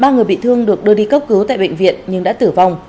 ba người bị thương được đưa đi cấp cứu tại bệnh viện nhưng đã tử vong